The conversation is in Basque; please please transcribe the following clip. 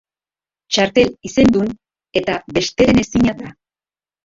Txartel izendun eta besterenezina da.